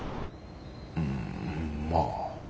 うんまあ。